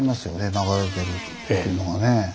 流れ出るっていうのがね。